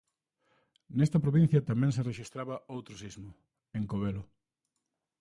Nesta provincia tamén se rexistraba outro sismo, en Covelo.